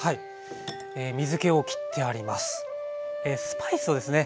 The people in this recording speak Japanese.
スパイスをですね